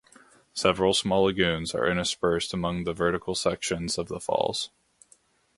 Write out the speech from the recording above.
Several small lagoons are interspersed among the vertical sections of the falls.